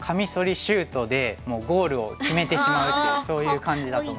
シュートでもうゴールを決めてしまうっていうそういう感じだと思います。